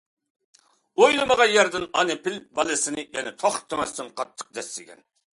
ئويلىمىغان يەردىن، ئانا پىل بالىسىنى يەنە توختىماستىن قاتتىق دەسسىگەن.